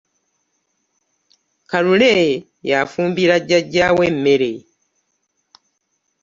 Kalule yafumbira jjajja we emmere.